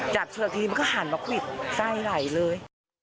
จัดเชือกทีนี้มันก็หันมาขวิดใส่ไหลเลย